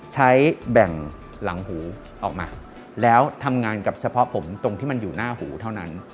แบ่งหลังหูออกมาแล้วทำงานกับเฉพาะผมตรงที่มันอยู่หน้าหูเท่านั้น